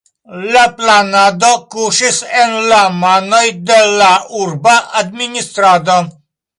La planado kuŝis en la manoj de la urba administrado.